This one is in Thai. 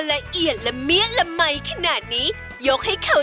และสุดท้ายแม่บ้านอ่อมก็ต้องจัดการแปะโลโก้